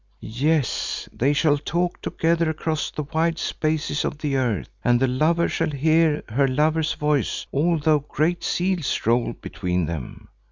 Yes, they shall talk together across the wide spaces of the earth, and the lover shall hear her lover's voice although great seas roll between them.